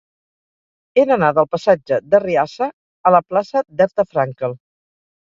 He d'anar del passatge d'Arriassa a la plaça d'Herta Frankel.